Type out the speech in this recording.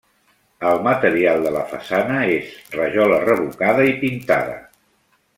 El material de la façana és rajola revocada i pintada.